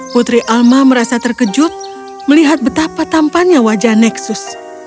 putri alma merasa terkejut melihat betapa tampannya wajah neksus